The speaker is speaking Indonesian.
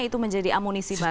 itu menjadi amunisi baru